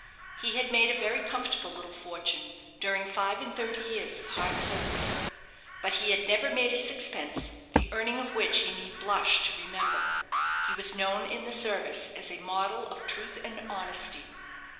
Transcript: He had made a very comfortable little fortune during five and thirty years of hard service. But he had never made a sixpence the earning of which he need blush to remember. He was known in the service as a model of truth and honesty.